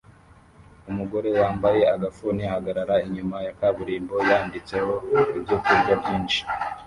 Umugore wambaye agafuni ahagarara inyuma ya kaburimbo yanditseho ibyokurya byinshi